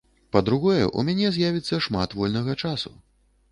Па-другое, у мяне з'явіцца шмат вольнага часу.